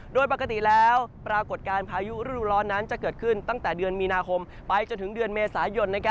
โดยปกติแล้วปรากฏการณ์พายุฤดูร้อนนั้นจะเกิดขึ้นตั้งแต่เดือนมีนาคมไปจนถึงเดือนเมษายน